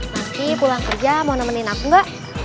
nanti pulang kerja mau nemenin aku mbak